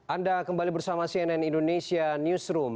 anda kembali bersama cnn indonesia newsroom